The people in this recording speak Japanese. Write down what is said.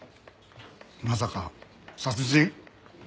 まさか殺人？